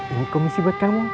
ini komisi buat kamu